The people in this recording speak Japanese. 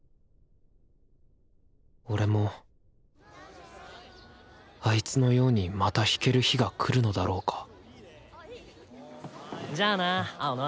俺もあいつのようにまた弾ける日が来るのだろうかじゃあな青野。